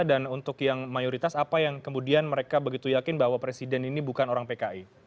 dan untuk yang mayoritas apa yang kemudian mereka begitu yakin bahwa presiden ini bukan orang pki